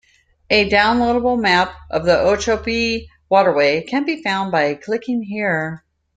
A downloadable map of the Okeechobee Waterway can be found by clicking here.